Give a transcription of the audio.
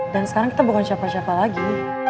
dan sekarang kita bukan siapa siapa lagi